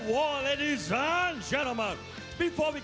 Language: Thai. ว้าวทุกท่านคุณพ่อมีความรู้สึกว่าไง